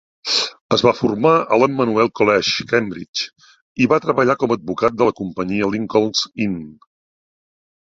Es va formar a l"Emmanuel College, Cambridge, i va treballar com advocat de la companyia Lincoln's Inn.